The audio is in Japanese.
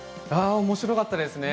おもしろかったですね。